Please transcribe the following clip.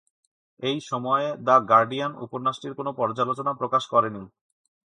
এই সময়ে "The Guardian" উপন্যাসটির কোন পর্যালোচনা প্রকাশ করেনি।